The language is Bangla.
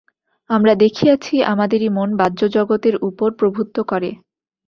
আমরা দেখিয়াছি, আমাদেরই মন বাহ্যজগতের উপর প্রভুত্ব করে।